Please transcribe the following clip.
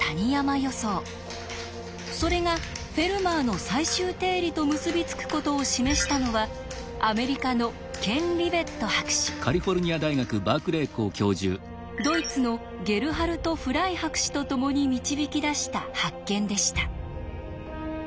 それが「フェルマーの最終定理」と結び付くことを示したのはアメリカのドイツのゲルハルト・フライ博士と共に導き出した発見でした。